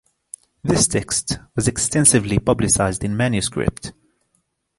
This text was extensively publicized in manuscript.